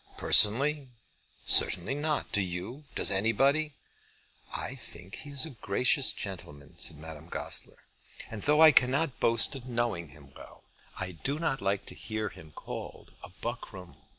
"Personally? certainly not. Do you? Does anybody?" "I think he is a gracious gentleman," said Madame Goesler, "and though I cannot boast of knowing him well, I do not like to hear him called buckram.